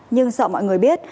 nhưng sợ mọi người biết